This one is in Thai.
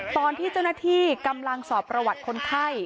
ตอนที่เจ้าหน้าที่กำลังสอบประวัติคนไข้